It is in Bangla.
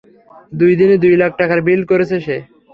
দুই দিনে দুই লাখ টাকার বিল করেছে সে।